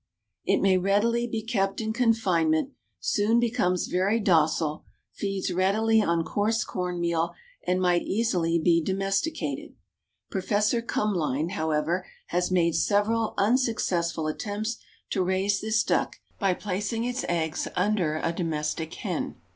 "It may readily be kept in confinement, soon becomes very docile, feeds readily on coarse corn meal, and might easily be domesticated. Prof. Kumlein, however, has made several unsuccessful attempts to raise this duck by placing its eggs under a domestic hen.